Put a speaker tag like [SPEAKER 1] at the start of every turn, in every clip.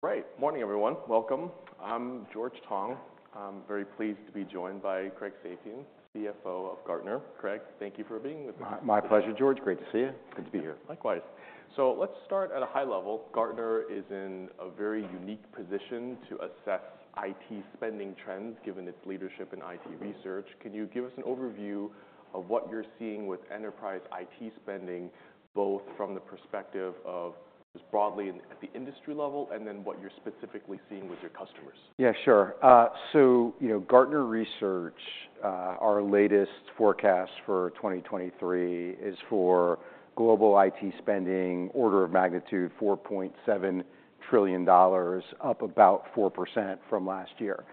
[SPEAKER 1] Right. Morning, everyone. Welcome. I'm George Tong. I'm very pleased to be joined by Craig Safian, CFO of Gartner. Craig, thank you for being with us.
[SPEAKER 2] My pleasure, George. Great to see you. Good to be here.
[SPEAKER 1] Likewise. So let's start at a high level. Gartner is in a very unique position to assess IT spending trends, given its leadership in IT research. Can you give us an overview of what you're seeing with enterprise IT spending, both from the perspective of just broadly at the industry level, and then what you're specifically seeing with your customers?
[SPEAKER 2] Yeah, sure. So, you know, Gartner research, our latest forecast for 2023 is for global IT spending, order of magnitude, $4.7 trillion, up about 4% from last year.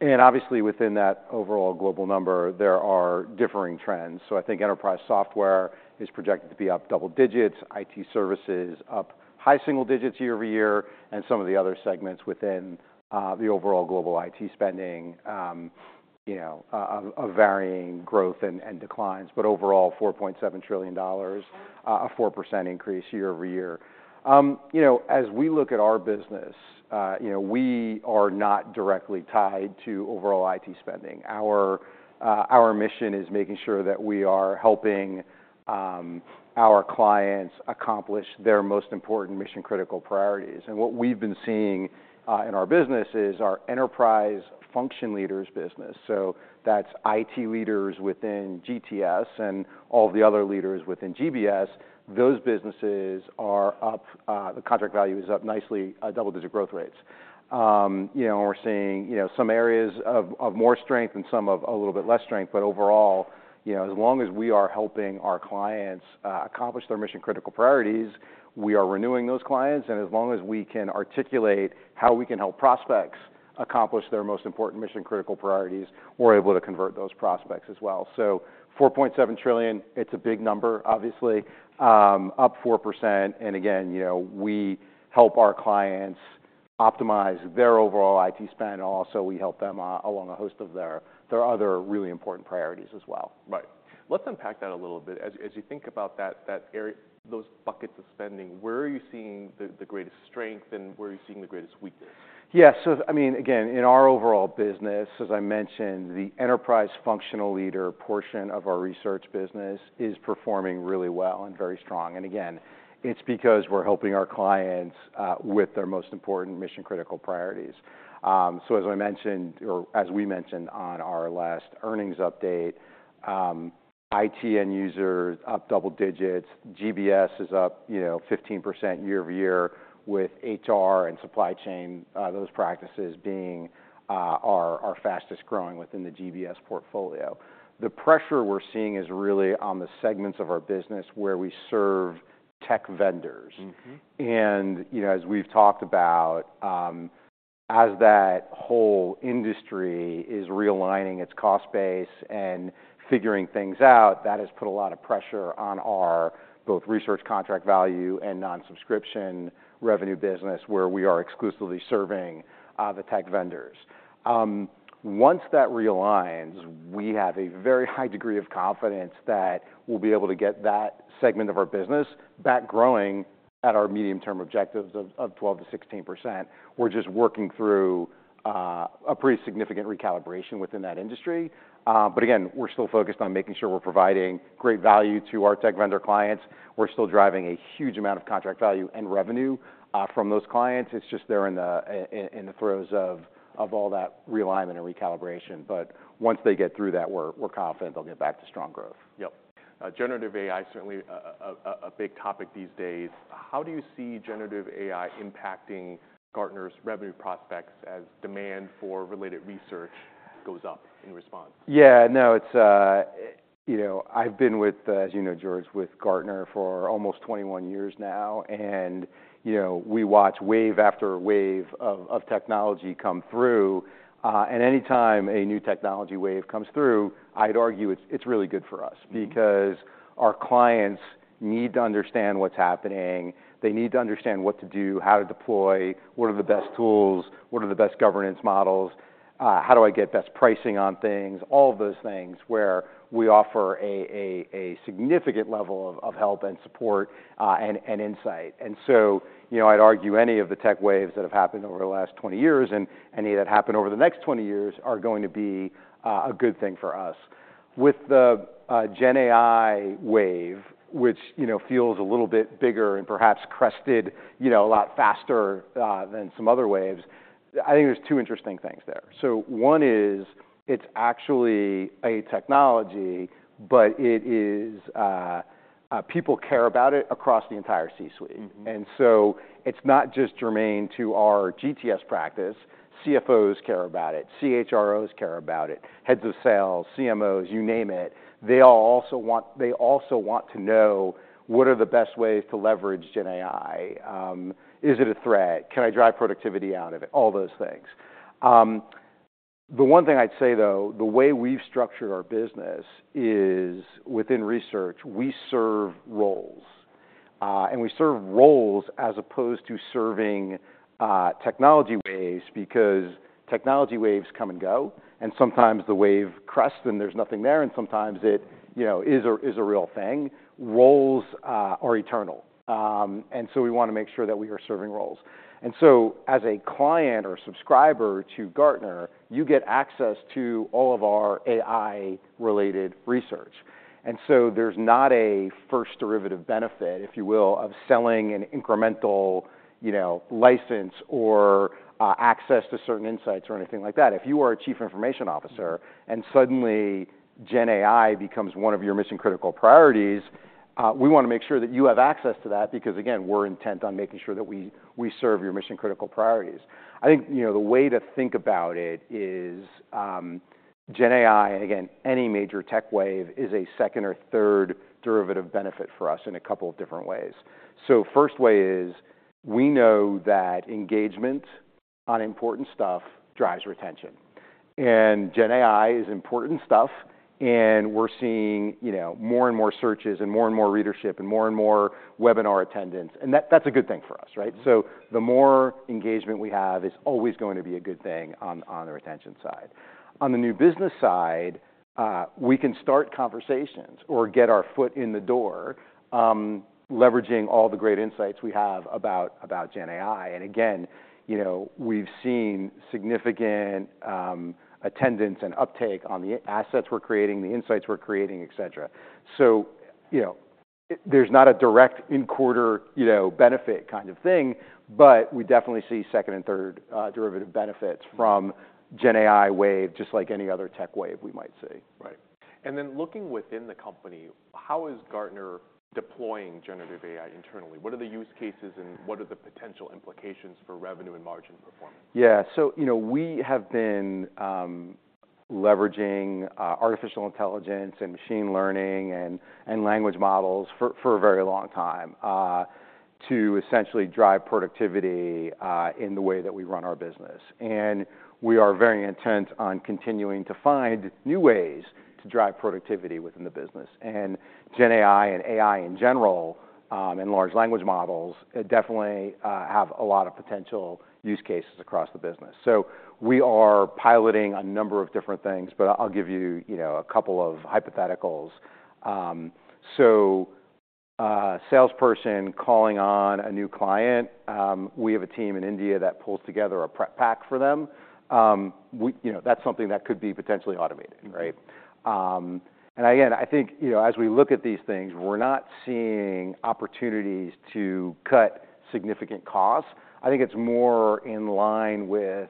[SPEAKER 2] And obviously, within that overall global number, there are differing trends. So I think enterprise software is projected to be up double-digits, IT services up high single-digits year-over-year, and some of the other segments within, the overall global IT spending, you know, of varying growth and declines. But overall, $4.7 trillion, a 4% increase year-over-year. You know, as we look at our business, you know, we are not directly tied to overall IT spending. Our mission is making sure that we are helping our clients accomplish their most important mission-critical priorities. What we've been seeing in our business is our enterprise function leaders business. So that's IT leaders within GTS and all the other leaders within GBS, those businesses are up, the contract value is up nicely, double-digit growth rates. You know, and we're seeing, you know, some areas of more strength and some of a little bit less strength. But overall, you know, as long as we are helping our clients accomplish their mission-critical priorities, we are renewing those clients, and as long as we can articulate how we can help prospects accomplish their most important mission-critical priorities, we're able to convert those prospects as well. So $4.7 trillion, it's a big number, obviously, up 4%, and again, you know, we help our clients optimize their overall IT spend, and also we help them along a host of their other really important priorities as well.
[SPEAKER 1] Right. Let's unpack that a little bit. As you think about that area, those buckets of spending, where are you seeing the greatest strength, and where are you seeing the greatest weakness?
[SPEAKER 2] Yeah, so, I mean, again, in our overall business, as I mentioned, the enterprise functional leader portion of our Research business is performing really well and very strong. And again, it's because we're helping our clients with their most important mission-critical priorities. So as I mentioned, or as we mentioned on our last earnings update, IT end users up double-digits, GBS is up, you know, 15% year-over-year, with HR and supply chain those practices being our fastest growing within the GBS portfolio. The pressure we're seeing is really on the segments of our business where we serve tech vendors. You know, as we've talked about, as that whole industry is realigning its cost base and figuring things out, that has put a lot of pressure on our both research contract value and non-subscription revenue business, where we are exclusively serving the tech vendors. Once that realigns, we have a very high degree of confidence that we'll be able to get that segment of our business back growing at our medium-term objectives of 12%-16%. We're just working through a pretty significant recalibration within that industry. But again, we're still focused on making sure we're providing great value to our tech vendor clients. We're still driving a huge amount of contract value and revenue from those clients. It's just they're in the throes of all that realignment and recalibration. But once they get through that, we're confident they'll get back to strong growth.
[SPEAKER 1] Yep. Generative AI is certainly a big topic these days. How do you see generative AI impacting Gartner's revenue prospects as demand for related research goes up in response?
[SPEAKER 2] Yeah. No, it's. You know, I've been with, as you know, George, with Gartner for almost 21 years now, and, you know, we watch wave after wave of technology come through, and anytime a new technology wave comes through, I'd argue it's really good for us. Because our clients need to understand what's happening. They need to understand what to do, how to deploy, what are the best tools, what are the best governance models, how do I get best pricing on things? All of those things where we offer a significant level of help and support, and insight. So, you know, I'd argue any of the tech waves that have happened over the last 20 years and any that happen over the next 20 years are going to be a good thing for us. With the GenAI wave, which, you know, feels a little bit bigger and perhaps crested a lot faster than some other waves, I think there's two interesting things there. One is, it's actually a technology, but it is, people care about it across the entire C-suite. So it's not just germane to our GTS practice. CFOs care about it, CHROs care about it, heads of sales, CMOs, you name it. They all also want, they also want to know what are the best ways to leverage GenAI? Is it a threat? Can I drive productivity out of it? All those things. The one thing I'd say, though, the way we've structured our business is, within research, we serve roles. And we serve roles as opposed to serving, technology waves, because technology waves come and go, and sometimes the wave crests and there's nothing there, and sometimes it, you know, is a real thing. Roles are eternal. And so we want to make sure that we are serving roles. And so as a client or subscriber to Gartner, you get access to all of our AI-related research. So there's not a first derivative benefit, if you will, of selling an incremental, you know, license or access to certain insights or anything like that. If you are a Chief Information Officer and suddenly GenAI becomes one of your mission-critical priorities, we want to make sure that you have access to that, because, again, we're intent on making sure that we serve your ,mission-critical priorities. I think, you know, the way to think about it is, GenAI, again, any major tech wave is a second or third derivative benefit for us in a couple of different ways. So first way is, we know that engagement on important stuff drives retention, and GenAI is important stuff, and we're seeing, you know, more and more searches and more and more readership and more and more webinar attendance, and that's a good thing for us, right? So the more engagement we have is always going to be a good thing on the retention side. On the new business side, we can start conversations or get our foot in the door, leveraging all the great insights we have about GenAI. And again, you know, we've seen significant attendance and uptake on the assets we're creating, the insights we're creating, et cetera. So, you know, there's not a direct in-quarter, you know, benefit kind of thing, but we definitely see second- and third-derivative benefits from the GenAI wave, just like any other tech wave we might see.
[SPEAKER 1] Right. And then looking within the company, how is Gartner deploying generative AI internally? What are the use cases, and what are the potential implications for revenue and margin performance?
[SPEAKER 2] Yeah, so, you know, we have been leveraging artificial intelligence and machine learning and language models for a very long time to essentially drive productivity in the way that we run our business. And we are very intent on continuing to find new ways to drive productivity within the business. And GenAI and AI in general and large language models definitely have a lot of potential use cases across the business. So we are piloting a number of different things, but I'll give you, you know, a couple of hypotheticals. Salesperson calling on a new client, we have a team in India that pulls together a prep pack for them. You know, that's something that could be potentially automated, right? And again, I think, you know, as we look at these things, we're not seeing opportunities to cut significant costs. I think it's more in line with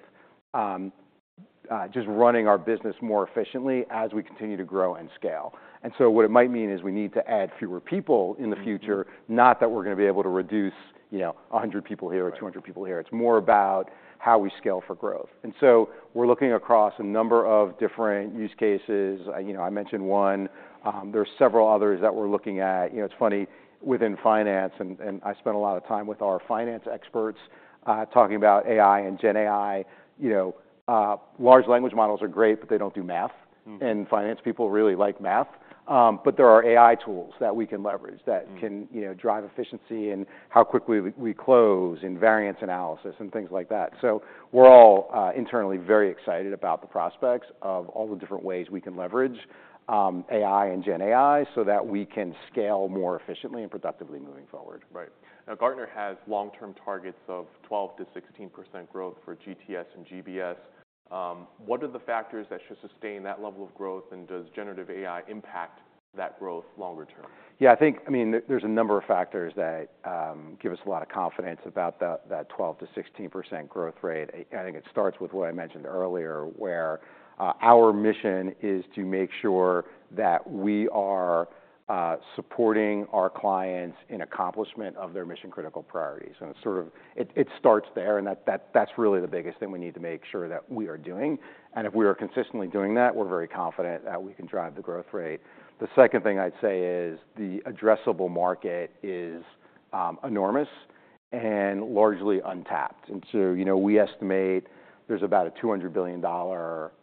[SPEAKER 2] just running our business more efficiently as we continue to grow and scale. And so what it might mean is we need to add fewer people in the future-... not that we're going to be able to reduce, you know, 100 people here-
[SPEAKER 1] Right...
[SPEAKER 2] or 200 people here. It's more about how we scale for growth. And so we're looking across a number of different use cases. You know, I mentioned one, there are several others that we're looking at. You know, it's funny, within finance, and, and I spent a lot of time with our finance experts, talking about AI and GenAI. You know, large language models are great, but they don't do math. Finance people really like math. But there are AI tools that we can leverage hat can, you know, drive efficiency and how quickly we close in variance analysis and things like that. So we're all internally very excited about the prospects of all the different ways we can leverage AI and GenAI, so that we can scale more efficiently and productively moving forward.
[SPEAKER 1] Right. Now, Gartner has long-term targets of 12%-16% growth for GTS and GBS. What are the factors that should sustain that level of growth, and does generative AI impact that growth longer term?
[SPEAKER 2] Yeah, I think, I mean, there's a number of factors that give us a lot of confidence about the- that 12%-16% growth rate. I think it starts with what I mentioned earlier, where our mission is to make sure that we are supporting our clients in accomplishment of their mission-critical priorities. And it starts there, and that, that's really the biggest thing we need to make sure that we are doing. And if we are consistently doing that, we're very confident that we can drive the growth rate. The second thing I'd say is the addressable market is enormous and largely untapped. And so, you know, we estimate there's about a $200 billion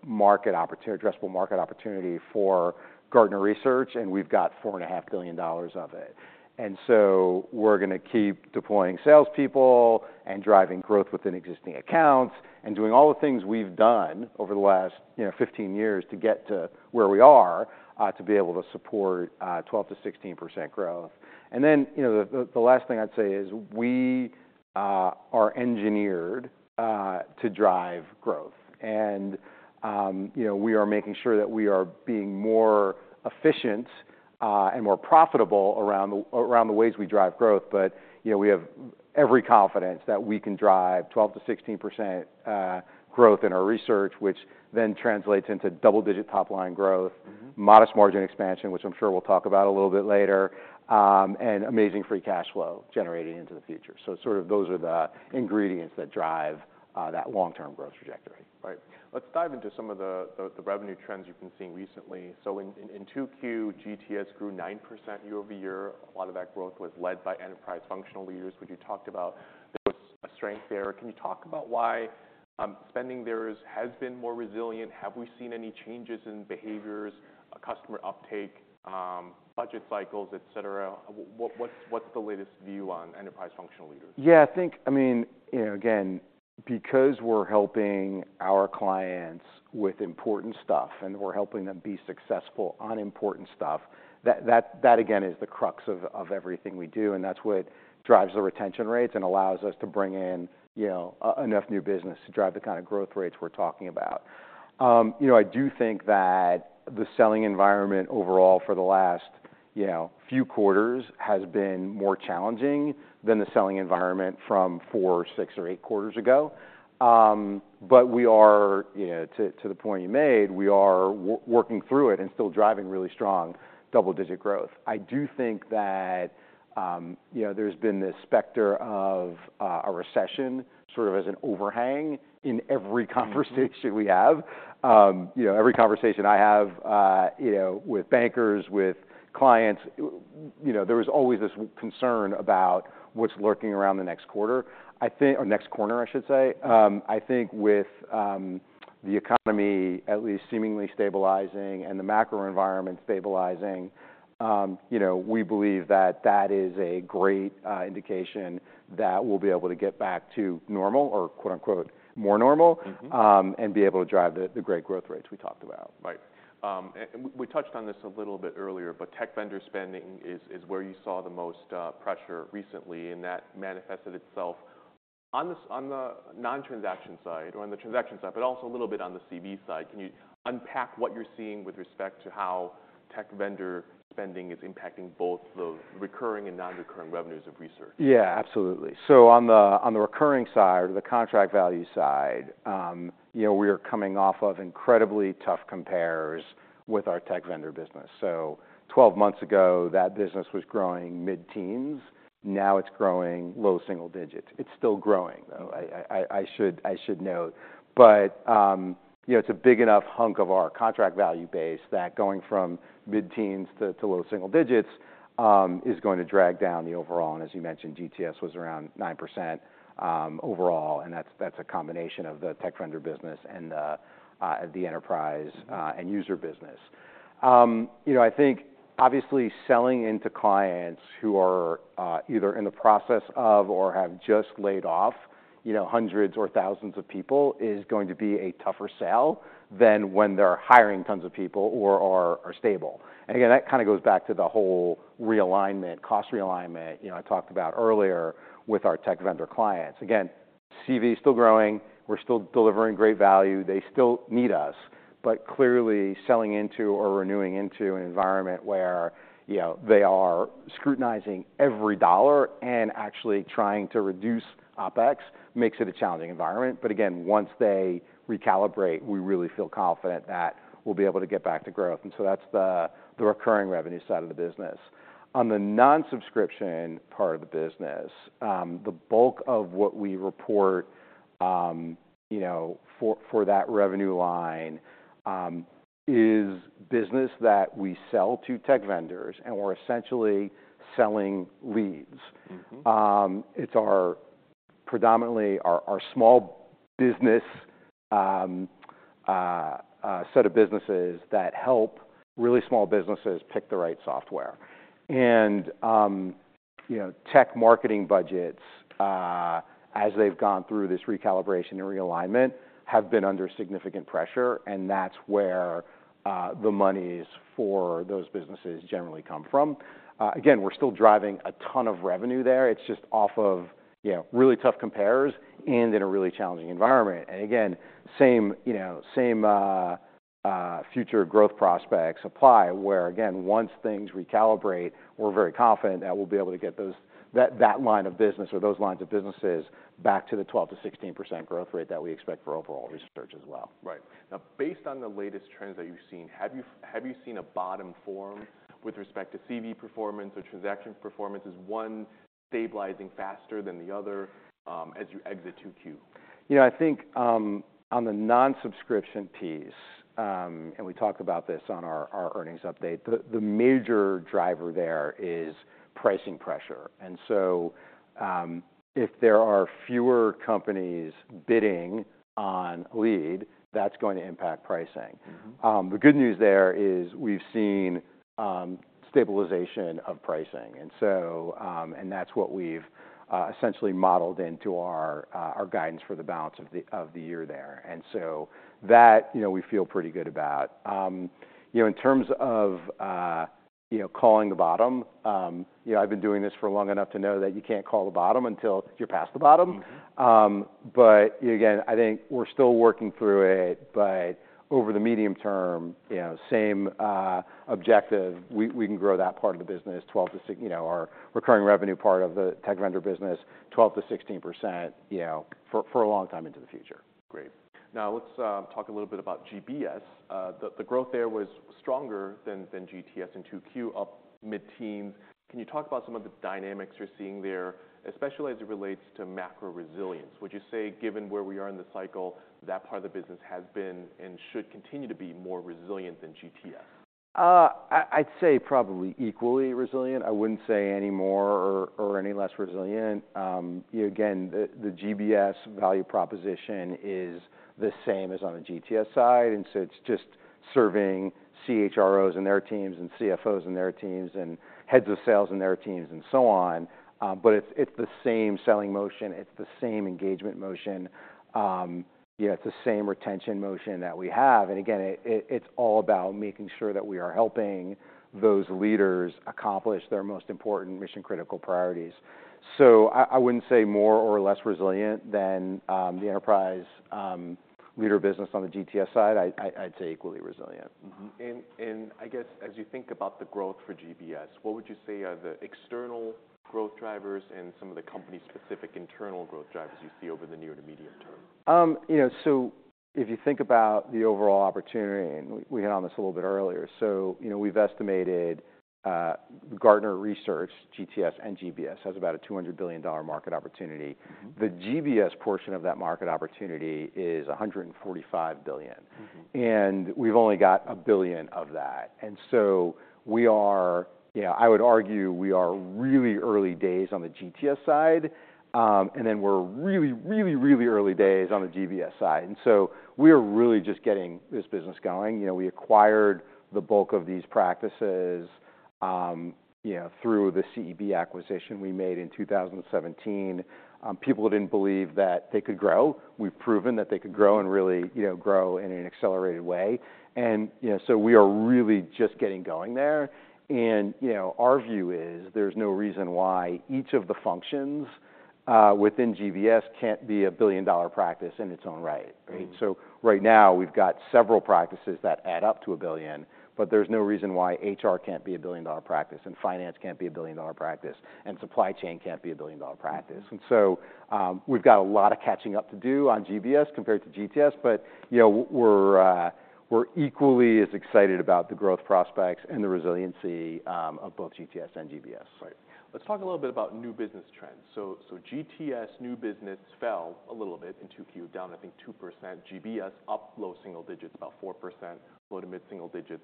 [SPEAKER 2] market opportunity- addressable market opportunity for Gartner research, and we've got $4.5 billion of it. And so we're gonna keep deploying salespeople and driving growth within existing accounts, and doing all the things we've done over the last, you know, 15 years to get to where we are, to be able to support 12%-16% growth. And then, you know, the last thing I'd say is, we are engineered to drive growth, and, you know, we are making sure that we are being more efficient, and more profitable around the ways we drive growth. But, you know, we have every confidence that we can drive 12%-16% growth in our research, which then translates into double-digit top-line growth modest margin expansion, which I'm sure we'll talk about a little bit later, and amazing free cash flow generating into the future. So sort of those are the ingredients that drive, that long-term growth trajectory.
[SPEAKER 1] Right. Let's dive into some of the, the revenue trends you've been seeing recently. So in 2Q, GTS grew 9% year-over-year. A lot of that growth was led by enterprise functional leaders, which you talked about, a strength there. Can you talk about why spending there has been more resilient? Have we seen any changes in behaviors, customer uptake, budget cycles, et cetera? What's the latest view on enterprise functional leaders?
[SPEAKER 2] Yeah, I think, I mean, you know, again, because we're helping our clients with important stuff and we're helping them be successful on important stuff, that again is the crux of everything we do, and that's what drives the retention rates and allows us to bring in, you know, enough new business to drive the kind of growth rates we're talking about. You know, I do think that the selling environment overall for the last, you know, few quarters has been more challenging than the selling environment from 4, 6, or 8 quarters ago. But we are, you know, to the point you made, we are working through it and still driving really strong double-digit growth. I do think that, you know, there's been this specter of a recession sort of as an overhang in every conversation we have. You know, every conversation I have, you know, with bankers, with clients, you know, there is always this concern about what's lurking around the next quarter, I think or next corner, I should say. I think with, the economy at least seemingly stabilizing and the macro environment stabilizing, you know, we believe that that is a great indication that we'll be able to get back to normal or quote, unquote, "more normal and be able to drive the great growth rates we talked about.
[SPEAKER 1] Right. And we touched on this a little bit earlier, but tech vendor spending is where you saw the most pressure recently, and that manifested itself on the non-transaction side or on the transaction side, but also a little bit on the CV side. Can you unpack what you're seeing with respect to how tech vendor spending is impacting both the recurring and non-recurring revenues of research?
[SPEAKER 2] Yeah, absolutely. So on the recurring side or the contract value side, you know, we are coming off of incredibly tough compares with our Tech Vendor business. So 12 months ago, that business was growing mid-teens. Now it's growing low single-digits. It's still growing, though, I should note. But you know, it's a big enough hunk of our contract value base that going from mid-teens to low single-digits is going to drag down the overall. And as you mentioned, GTS was around 9%, overall, and that's a combination of the Tech Vendor business and the Enterprise End User business. You know, I think obviously selling into clients who are either in the process of or have just laid off, you know, hundreds or thousands of people, is going to be a tougher sell than when they're hiring tons of people or are stable. Again, that kind of goes back to the whole realignment, cost realignment, you know, I talked about earlier with our tech vendor clients. Again, CV is still growing, we're still delivering great value. They still need us, but clearly selling into or renewing into an environment where, you know, they are scrutinizing every dollar and actually trying to reduce OpEx, makes it a challenging environment. But again, once they recalibrate, we really feel confident that we'll be able to get back to growth, and so that's the recurring revenue side of the business. On the non-subscription part of the business, the bulk of what we report, you know, for that revenue line, is business that we sell to tech vendors, and we're essentially selling leads. It's predominantly our small business set of businesses that help really small businesses pick the right software. And, you know, tech marketing budgets, as they've gone through this recalibration and realignment, have been under significant pressure, and that's where the monies for those businesses generally come from. Again, we're still driving a ton of revenue there. It's just off of, you know, really tough compares and in a really challenging environment. And again, same, you know, same future growth prospects apply, where, again, once things recalibrate, we're very confident that we'll be able to get those that line of business or those lines of businesses back to the 12%-16% growth rate that we expect for overall research as well.
[SPEAKER 1] Right. Now, based on the latest trends that you've seen, have you seen a bottom form with respect to CV performance or transaction performance? Is one stabilizing faster than the other, as you exit 2Q?
[SPEAKER 2] You know, I think, on the non-subscription piece, and we talked about this on our earnings update, the major driver there is pricing pressure. And so, if there are fewer companies bidding on lead, that's going to impact pricing. The good news there is we've seen stabilization of pricing, and so, and that's what we've essentially modeled into our our guidance for the balance of the of the year there. And so that, you know, we feel pretty good about. You know, in terms of, you know, calling the bottom, you know, I've been doing this for long enough to know that you can't call the bottom until you're past the bottom. But again, I think we're still working through it, but over the medium-term, you know, same objective, we can grow that part of the business, 12 to you know, our recurring revenue part of the tech vendor business, 12%-16%, you know, for a long time into the future.
[SPEAKER 1] Great. Now, let's talk a little bit about GBS. The growth there was stronger than GTS in 2Q, up mid-teens. Can you talk about some of the dynamics you're seeing there, especially as it relates to macro resilience? Would you say, given where we are in the cycle, that part of the business has been and should continue to be more resilient than GTS?
[SPEAKER 2] I'd say probably equally resilient. I wouldn't say any more or any less resilient. Again, the GBS value proposition is the same as on the GTS side, and so it's just serving CHROs and their teams, and CFOs and their teams, and heads of sales and their teams, and so on. But it's the same selling motion, it's the same engagement motion, yeah, it's the same retention motion that we have. And again, it's all about making sure that we are helping those leaders accomplish their most important mission-critical priorities. So I wouldn't say more or less resilient than the enterprise leader business on the GTS side. I'd say equally resilient.
[SPEAKER 1] I guess as you think about the growth for GBS, what would you say are the external growth drivers and some of the company-specific internal growth drivers you see over the near to medium-term?
[SPEAKER 2] You know, so if you think about the overall opportunity, and we hit on this a little bit earlier, so, you know, we've estimated Gartner research, GTS and GBS, has about a $200 billion market opportunity. The GBS portion of that market opportunity is $145 billion. And we've only got $1 billion of that, and so we are. You know, I would argue we are really early days on the GTS side, and then we're really, really, really early days on the GBS side. And so we are really just getting this business going. You know, we acquired the bulk of these practices, you know, through the CEB acquisition we made in 2017. People didn't believe that they could grow. We've proven that they could grow, and really, you know, grow in an accelerated way. And, you know, so we are really just getting going there. And, you know, our view is, there's no reason why each of the functions within GBS can't be a billion-dollar practice in its own right, right? So right now, we've got several practices that add up to $1 billion, but there's no reason why HR can't be a billion-dollar practice, and finance can't be a billion-dollar practice, and Supply Chain can't be a billion-dollar practice. We've got a lot of catching up to do on GBS compared to GTS, but, you know, we're equally as excited about the growth prospects and the resiliency of both GTS and GBS.
[SPEAKER 1] Right. Let's talk a little bit about new business trends. So, GTS new business fell a little bit in Q2, down, I think, 2%. GBS, up low single digits, about 4%, low to mid single-digits.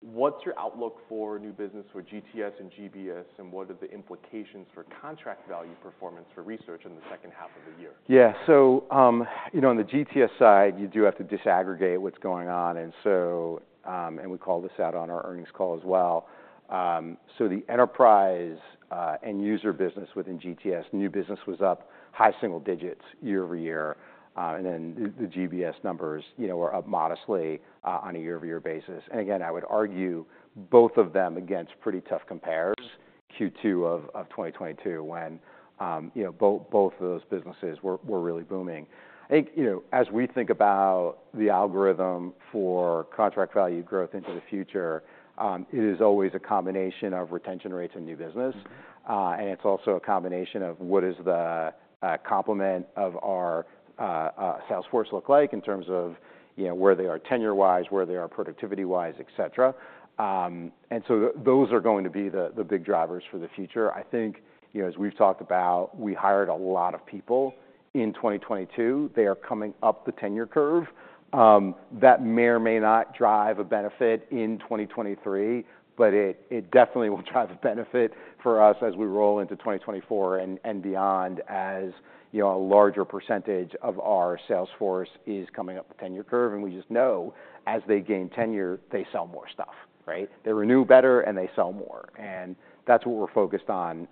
[SPEAKER 1] What's your outlook for new business for GTS and GBS, and what are the implications for contract value performance for research in the second half of the year?
[SPEAKER 2] Yeah. So, you know, on the GTS side, you do have to disaggregate what's going on, and so. And we called this out on our earnings call as well. So the Enterprise End User business within GTS, new business was up high single digits year-over-year. And then the GBS numbers, you know, were up modestly on a year-over-year basis. And again, I would argue both of them against pretty tough compares, Q2 of 2022, when you know, both of those businesses were really booming. I think, you know, as we think about the algorithm for contract value growth into the future, it is always a combination of retention rates and new business. And it's also a combination of what is the complement of our sales force look like in terms of, you know, where they are tenure-wise, where they are productivity-wise, etcetera. And so those are going to be the big drivers for the future. I think, you know, as we've talked about, we hired a lot of people in 2022. They are coming up the tenure curve. That may or may not drive a benefit in 2023, but it definitely will drive a benefit for us as we roll into 2024 and beyond, as, you know, a larger percentage of our sales force is coming up the tenure curve. And we just know as they gain tenure, they sell more stuff, right? They renew better, and they sell more, and that's what we're focused on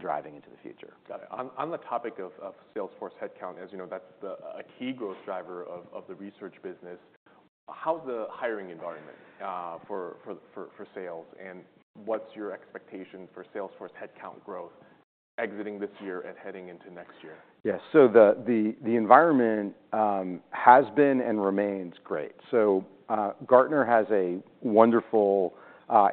[SPEAKER 2] driving into the future.
[SPEAKER 1] Got it. On the topic of sales force headcount, as you know, that's the a key growth driver of the research business, how's the hiring environment for sales, and what's your expectation for sales force headcount growth exiting this year and heading into next year?
[SPEAKER 2] Yes. So the environment has been and remains great. So, Gartner has a wonderful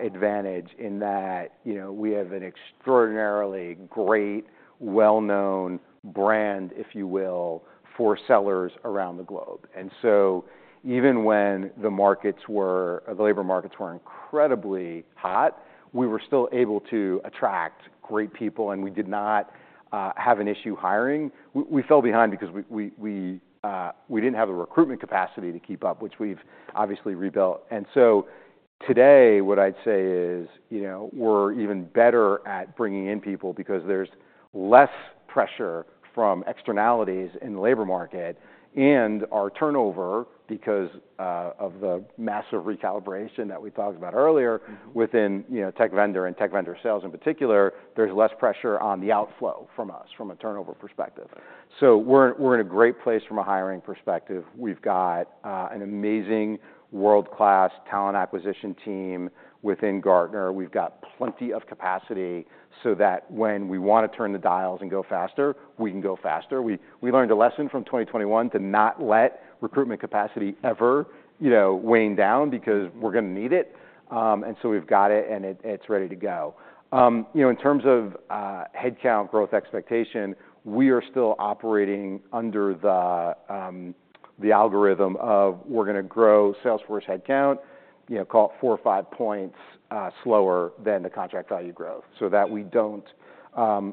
[SPEAKER 2] advantage in that, you know, we have an extraordinarily great, well-known brand, if you will, for sellers around the globe. And so even when the markets were the labor markets were incredibly hot, we were still able to attract great people, and we did not have an issue hiring. We fell behind because we didn't have the recruitment capacity to keep up, which we've obviously rebuilt. And so today, what I'd say is, you know, we're even better at bringing in people because there's less pressure from externalities in the labor market. And our turnover, because of the massive recalibration that we talked about earlier within, you know, tech vendor and tech vendor sales in particular, there's less pressure on the outflow from us, from a turnover perspective.
[SPEAKER 1] Right.
[SPEAKER 2] So we're in a great place from a hiring perspective. We've got an amazing world-class talent acquisition team within Gartner. We've got plenty of capacity so that when we want to turn the dials and go faster, we can go faster. We learned a lesson from 2021 to not let recruitment capacity ever, you know, wane down because we're gonna need it. And so we've got it, and it's ready to go. You know, in terms of headcount growth expectation, we are still operating under the algorithm of we're gonna grow sales force headcount, you know, call it four or five points slower than the contract value growth, so that we don't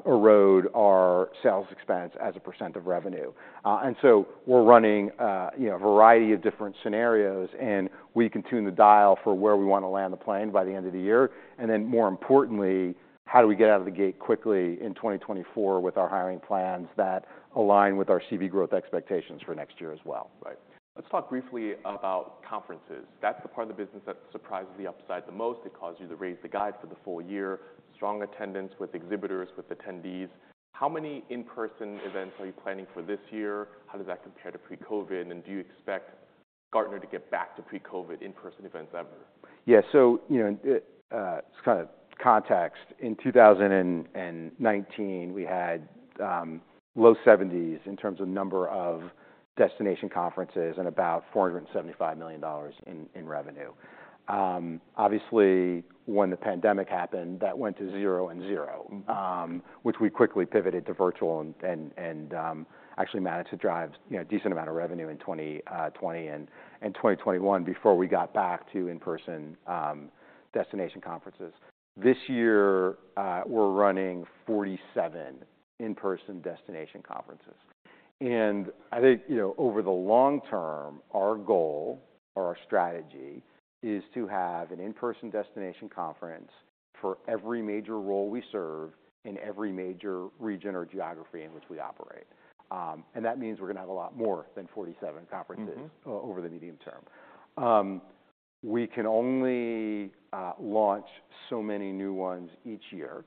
[SPEAKER 2] erode our sales expense as a percent of revenue. And so we're running, you know, a variety of different scenarios, and we can tune the dial for where we want to land the plane by the end of the year. And then more importantly, how do we get out of the gate quickly in 2024 with our hiring plans that align with our CV growth expectations for next year as well?
[SPEAKER 1] Right. Let's talk briefly about conferences. That's the part of the business that surprises the upside the most. It caused you to raise the guide for the full-year. Strong attendance with exhibitors, with attendees. How many in-person events are you planning for this year? How does that compare to pre-COVID? And do you expect Gartner to get back to pre-COVID in-person events ever?
[SPEAKER 2] Yeah, so, you know, just kind of context. In 2019, we had low 70s in terms of number of destination conferences and about $475 million in revenue. Obviously, when the pandemic happened, that went to 0 and 0. Which we quickly pivoted to virtual and actually managed to drive, you know, a decent amount of revenue in 2020 and 2021 before we got back to in-person destination conferences. This year, we're running 47 in-person destination conferences, and I think, you know, over the long-term, our goal or our strategy is to have an in-person destination conference for every major role we serve in every major region or geography in which we operate. And that means we're going to have a lot more than 47 conferences-
[SPEAKER 1] Mm-hmm...
[SPEAKER 2] over the medium term. We can only launch so many new ones each year.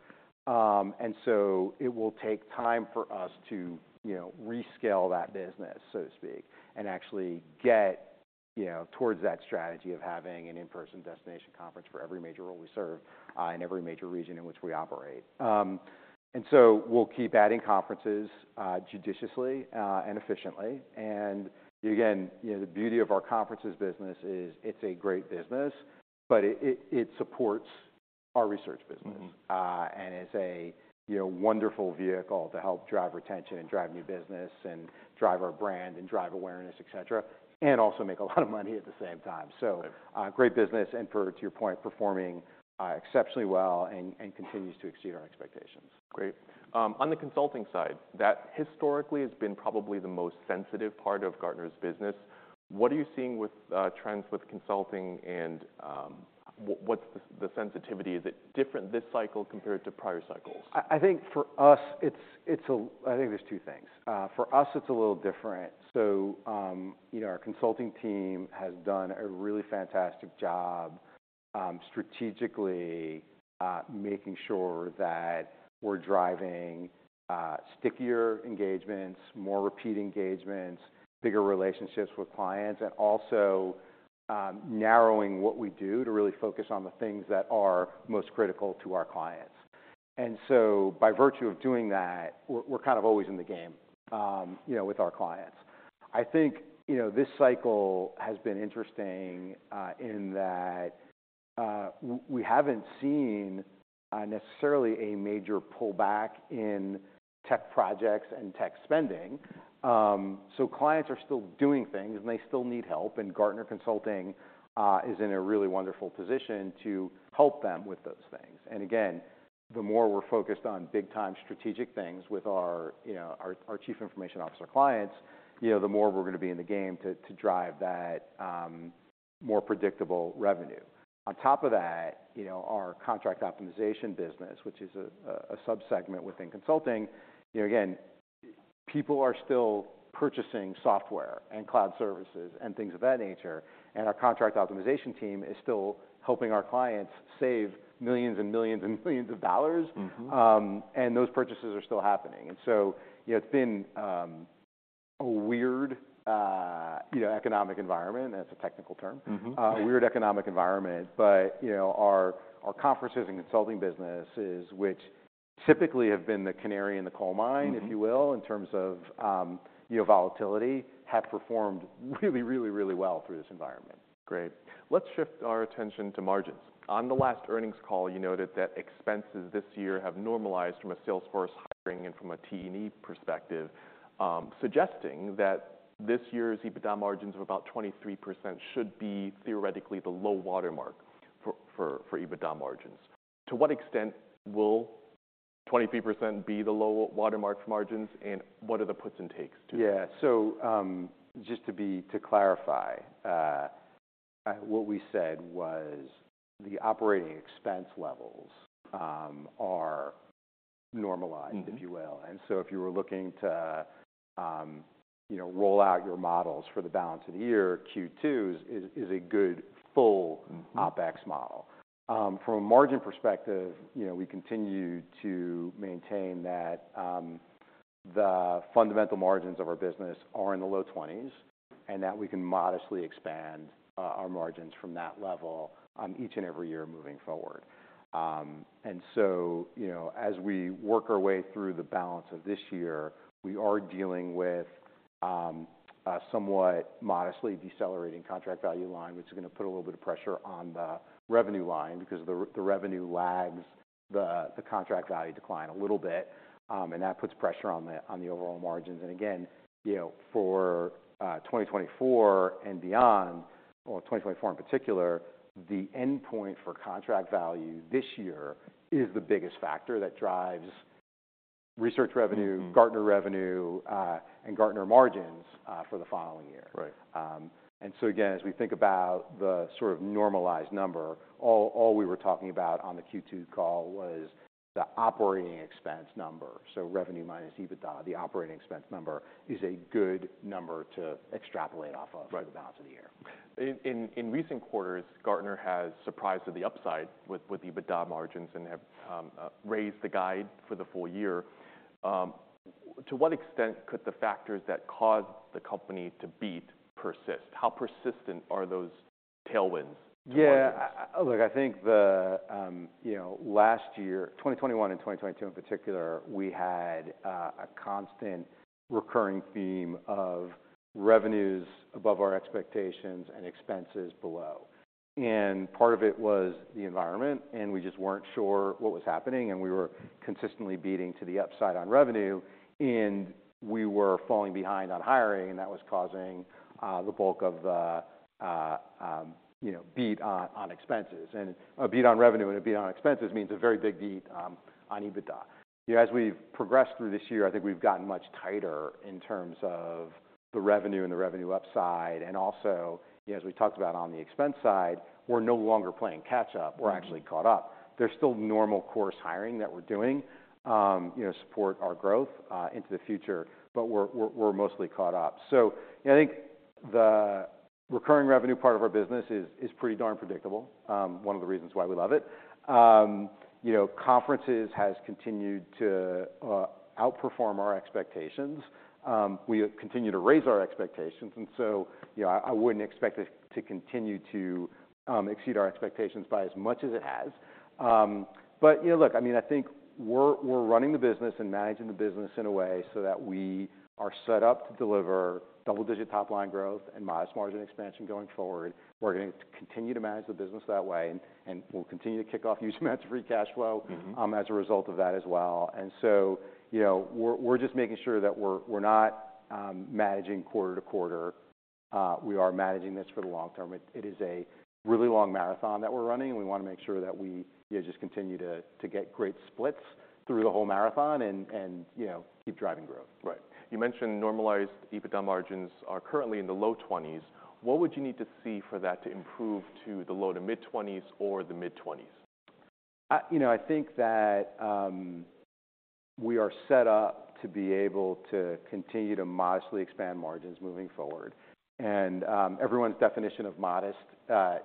[SPEAKER 2] And so it will take time for us to, you know, rescale that business, so to speak, and actually get, you know, towards that strategy of having an in-person destination conference for every major role we serve, in every major region in which we operate. And so we'll keep \adding conferences judiciously and efficiently. And again, you know, the beauty of our conferences business is it's a great business, but it supports our research business. And it's a, you know, wonderful vehicle to help drive retention and drive new business, and drive our brand and drive awareness, et cetera, and also make a lot of money at the same time.
[SPEAKER 1] Right.
[SPEAKER 2] So, great business, and to your point, performing exceptionally well, and continues to exceed our expectations.
[SPEAKER 1] Great. On the consulting side, that historically has been probably the most sensitive part of Gartner's business. What are you seeing with trends with consulting, and what's the sensitivity? Is it different this cycle compared to prior cycles?
[SPEAKER 2] I think for us, it's a little different. I think there's two things. For us, it's a little different. So, you know, our consulting team has done a really fantastic job, strategically, making sure that we're driving, stickier engagements, more repeat engagements, bigger relationships with clients, and also, narrowing what we do to really focus on the things that are most critical to our clients. And so by virtue of doing that, we're kind of always in the game, you know, with our clients. I think, you know, this cycle has been interesting, in that, we haven't seen, necessarily a major pullback in tech projects and tech spending. So clients are still doing things, and they still need help, and Gartner Consulting is in a really wonderful position to help them with those things. Again, the more we're focused on big time strategic things with our, you know, our chief information officer clients, you know, the more we're going to be in the game to drive that more predictable revenue. On top of that, you know, our contract optimization business, which is a sub-segment within consulting, you know, again, people are still purchasing software and cloud services, and things of that nature, and our contract optimization team is still helping our clients save millions and millions and millions of dollars. And those purchases are still happening. And so, you know, it's been a weird, you know, economic environment. That's a technical term A weird economic environment, but, you know, our conferences and consulting business is, which typically have been the canary in the coal mine. If you will, in terms of, you know, volatility, have performed really, really, really well through this environment.
[SPEAKER 1] Great. Let's shift our attention to margins. On the last earnings call, you noted that expenses this year have normalized from a sales force hiring and from a T&E perspective, suggesting that this year's EBITDA margins of about 23% should be theoretically the low watermark for EBITDA margins. To what extent will 23% be the low watermark for margins, and what are the puts and takes, too?
[SPEAKER 2] Yeah. So, just to clarify, what we said was the operating expense levels are normalized- If you will. And so if you were looking to, you know, roll out your models for the balance of the year, Q2 is a good full OpEx model. From a margin perspective, you know, we continue to maintain that the fundamental margins of our business are in the low twenties, and that we can modestly expand our margins from that level on each and every year moving forward. And so, you know, as we work our way through the balance of this year, we are dealing with a somewhat modestly decelerating contract value line, which is going to put a little bit of pressure on the revenue line, because the revenue lags the contract value decline a little bit. And that puts pressure on the overall margins. And again, you know, for 2024 and beyond, or 2024 in particular, the endpoint for contract value this year is the biggest factor that drives research revenue Gartner revenue, and Gartner margins, for the following year.
[SPEAKER 1] Right.
[SPEAKER 2] And so again, as we think about the sort of normalized number, all we were talking about on the Q2 call was the operating expense number. So revenue minus EBITDA. The operating expense number is a good number to extrapolate off of-
[SPEAKER 1] Right.
[SPEAKER 2] for the balance of the year.
[SPEAKER 1] In recent quarters, Gartner has surprised to the upside with EBITDA margins and have raised the guide for the full-year. To what extent could the factors that cause the company to beat persist? How persistent are those tailwinds?
[SPEAKER 2] Yeah. Look, I think the, you know, last year, 2021 and 2022 in particular, we had a constant recurring theme of revenues above our expectations and expenses below. And part of it was the environment, and we just weren't sure what was happening, and we were consistently beating to the upside on revenue, and we were falling behind on hiring, and that was causing the bulk of the, you know, beat on, on expenses. And a beat on revenue, and a beat on expenses means a very big beat on EBITDA. You know, as we've progressed through this year, I think we've gotten much tighter in terms of the revenue and the revenue upside. And also, as we talked about on the expense side, we're no longer playing catch up. We're actually caught up. There's still normal course hiring that we're doing, you know, support our growth into the future, but we're mostly caught up. So I think the recurring revenue part of our business is pretty darn predictable. One of the reasons why we love it. You know, Conferences has continued to outperform our expectations. We continue to raise our expectations, and so, you know, I wouldn't expect it to continue to exceed our expectations by as much as it has. But, you know, look, I mean, I think we're running the business and managing the business in a way so that we are set up to deliver double-digit top line growth and modest margin expansion going forward. We're going to continue to manage the business that way, and we'll continue to kick off huge amounts of free cash flow as a result of that as well. And so, you know, we're just making sure that we're not managing quarter-to-quarter. We are managing this for the long term. It is a really long marathon that we're running, and we wanna make sure that we, you know, just continue to get great splits through the whole marathon and, you know, keep driving growth.
[SPEAKER 1] Right. You mentioned normalized EBITDA margins are currently in the low 20s. What would you need to see for that to improve to the low-to-mid 20s or the mid-20s?
[SPEAKER 2] You know, I think that we are set up to be able to continue to modestly expand margins moving forward. And everyone's definition of modest,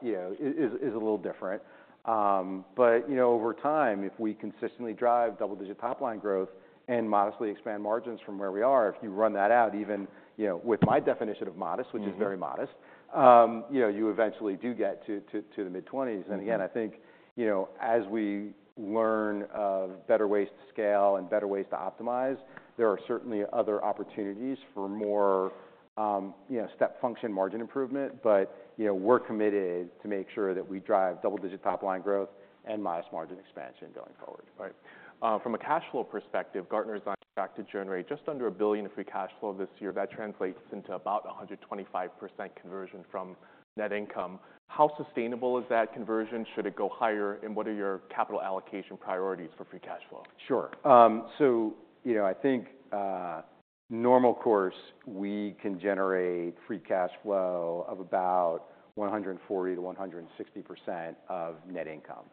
[SPEAKER 2] you know, is a little different. But you know, over time, if we consistently drive double-digit top line growth and modestly expand margins from where we are, if you run that out, even, you know, with my definition of modest- Which is very modest, you know, you eventually do get to the 20S.
[SPEAKER 1] Mm-hmm.
[SPEAKER 2] Again, I think, you know, as we learn of better ways to scale and better ways to optimize, there are certainly other opportunities for more, you know, step function, margin improvement. But, you know, we're committed to make sure that we drive double-digit top line growth and modest margin expansion going forward.
[SPEAKER 1] Right. From a cash flow perspective, Gartner's on track to generate just under $1 billion of free cash flow this year. That translates into about 125% conversion from net income. How sustainable is that conversion? Should it go higher, and what are your capital allocation priorities for free cash flow?
[SPEAKER 2] Sure. So, you know, I think, normal course, we can generate free cash flow of about 140%-160% of net income.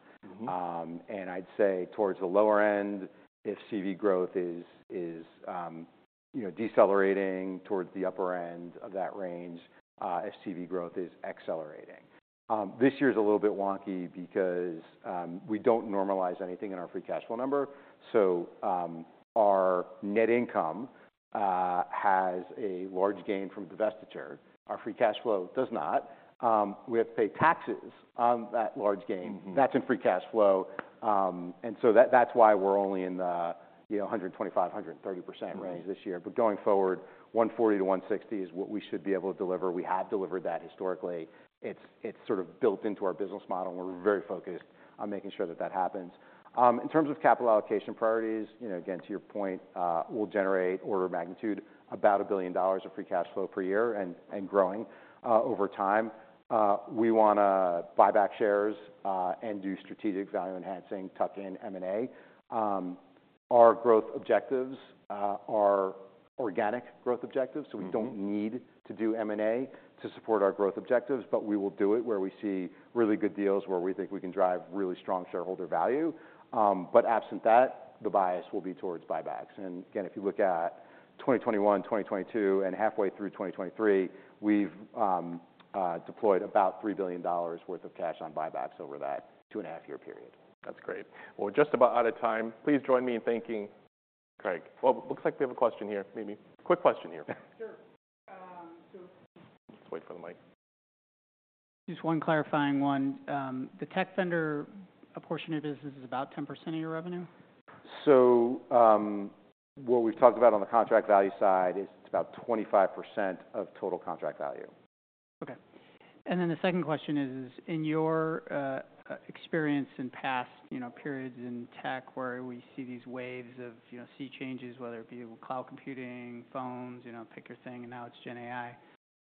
[SPEAKER 2] And I'd say towards the lower end if CV growth is, you know, decelerating, towards the upper end of that range if CV growth is accelerating. This year is a little bit wonky because we don't normalize anything in our free cash flow number. So, our net income has a large gain from divestiture. Our free cash flow does not. We have to pay taxes on that large gain. That's in free cash flow. And so that, that's why we're only in the, you know, 125%-130% range- This year. But going forward, 140%-160% is what we should be able to deliver. We have delivered that historically. It's sort of built into our business model, and we're very focused on making sure that that happens. In terms of capital allocation priorities, you know, again, to your point, we'll generate order of magnitude, about $1 billion of free cash flow per year and growing over time. We wanna buy back shares and do strategic value enhancing tuck-in M&A. Our growth objectives are organic growth objectives. So we don't need to do M&A to support our growth objectives, but we will do it, where we see really good deals, where we think we can drive really strong shareholder value. But absent that, the bias will be towards buybacks. And again, if you look at 2021, 2022, and halfway through 2023, we've deployed about $3 billion worth of cash on buybacks over that 2.5-year period.
[SPEAKER 1] That's great. We're just about out of time. Please join me in thanking Craig. Well, looks like we have a question here. Maybe. Quick question here.
[SPEAKER 3] Sure.
[SPEAKER 1] Just wait for the mic.
[SPEAKER 3] Just one clarifying one. The tech vendor portion of business is about 10% of your revenue?
[SPEAKER 2] What we've talked about on the contract value side is it's about 25% of total contract value.
[SPEAKER 3] Okay. And then the second question is, in your experience in past, you know, periods in tech, where we see these waves of, you know, sea changes, whether it be cloud computing, phones, you know, pick your thing, and now it's GenAI,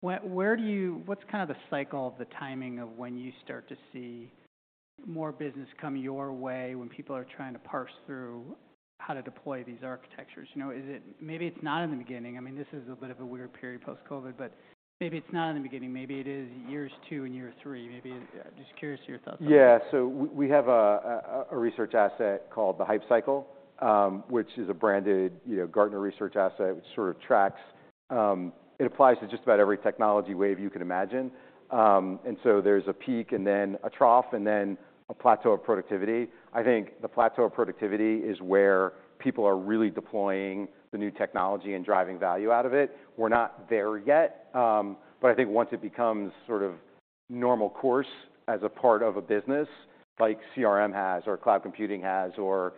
[SPEAKER 3] where, where do you, what's kind of the cycle of the timing of when you start to see more business come your way, when people are trying to parse through how to deploy these architectures? You know, is it... Maybe it's not in the beginning. I mean, this is a bit of a weird period, post-COVID, but maybe it's not in the beginning. Maybe it is years two and year three. Maybe it... Just curious your thoughts on that.
[SPEAKER 2] Yeah. So we have a research asset called the Hype Cycle, which is a branded, you know, Gartner research asset, which sort of tracks. It applies to just about every technology wave you can imagine. And so there's a peak and then a trough, and then a plateau of productivity. I think the plateau of productivity is where people are really deploying the new technology and driving value out of it. We're not there yet, but I think once it becomes sort of normal course as a part of a business, like CRM has, or cloud computing has, or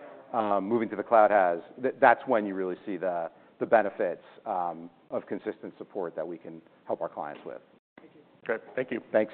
[SPEAKER 2] moving to the cloud has, that's when you really see the benefits of consistent support that we can help our clients with.
[SPEAKER 1] Thank you. Great. Thank you.
[SPEAKER 2] Thanks.